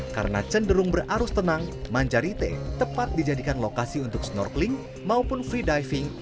karena cenderung berarus tenang manjarite tepat dijadikan lokasi untuk snorkeling maupun free diving